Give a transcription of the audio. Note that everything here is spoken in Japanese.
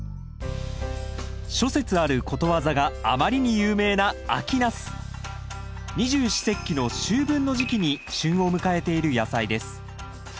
諸説あることわざがあまりに有名な二十四節気の秋分の時期に旬を迎えている野菜です。